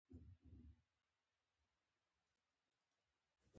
د بخارۍ حرارت د یخنۍ مخه نیسي.